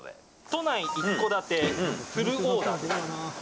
都内一戸建てフルオーダーです。